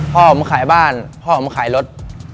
พ่อผมขายบ้านพ่อผมมาขายรถ